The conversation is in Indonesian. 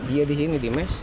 iya di sini di mes